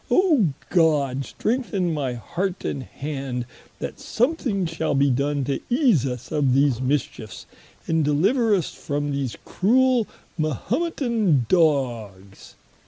Oh, God strengthen my heart and hand, that something shall be done to ease us of these mischiefs, and deliver us from these cruell Mahumetan Dogs."